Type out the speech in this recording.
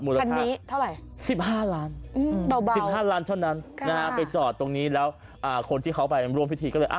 คันนี้เท่าไหร่๑๕ล้าน๑๕ล้านเท่านั้นไปจอดตรงนี้แล้วคนที่เขาไปร่วมพิธีก็เลย